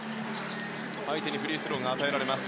相手にフリースローが与えられます。